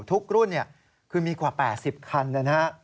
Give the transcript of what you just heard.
ทุกรุ่นคือมีกว่า๘๐คันนะฮะ